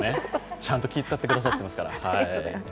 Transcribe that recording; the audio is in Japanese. ちゃんと気を使ってくださっていますから。